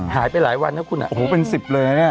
หายไปหลายวันนะคุณโอ้โหเป็น๑๐เลยนะเนี่ย